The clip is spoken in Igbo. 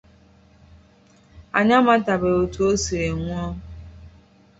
Anyị amatabeghị otu o siri nwụọ.